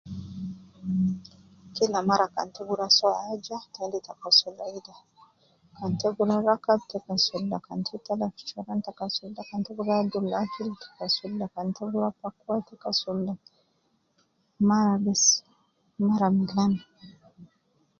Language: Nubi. Kila mara kan ta gi rua soo aja aju ita kasul ida, kan ta gi rua rakab, ta kasul ida, kan ta tala fi choron ta kasul ida, kan ta gi rua adul akil ta kasul ida, kan ta gi rua pakwa ta kasul ida, ma bes ,mara milan